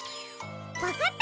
わかった！